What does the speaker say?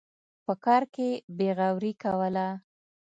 په کار کې بېغوري کوله.